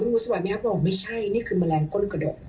ไม่ใช่นี่คือแมลงก้นกระดก